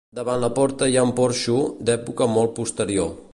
Davant la porta hi ha un porxo, d'època molt posterior.